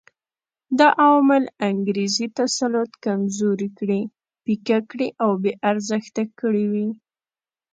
دا عوامل انګریزي تسلط کمزوري کړي، پیکه کړي او بې ارزښته کړي وو.